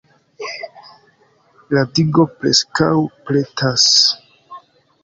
La digo preskaŭ pretas.